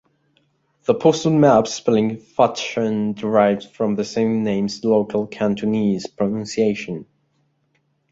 The Postal Map spelling "Fatshan" derives from the same name's local Cantonese pronunciation.